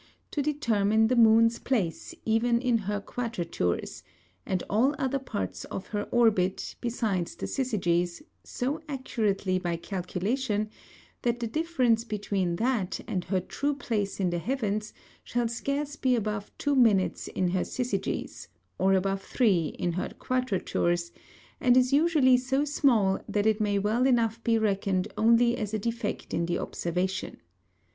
_ to determine the Moon's Place even in her Quadratures, and all other Parts of her Orbit, besides the Syzygys, so accurately by Calculation, that the Difference between that and her true Place in the Heavens, shall scarce be above two minutes in her Syzygys, or above three in her Quadratures, and is usually so small, that it may well enough be reckon'd only as a Defect in the Observation.